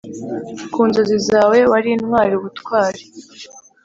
ku nzozi zawe wari intwari ubutwari;